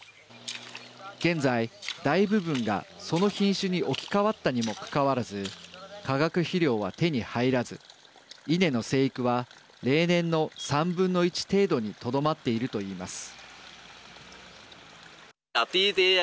現在、大部分がその品種に置き換わったにもかかわらず化学肥料は手に入らず稲の生育は例年の３分の１程度にとどまっているといいます。